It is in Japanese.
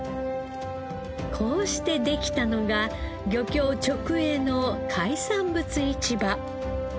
こうしてできたのが漁協直営の海産物市場。